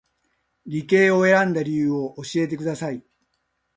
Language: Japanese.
理系を選んだ理由を教えてください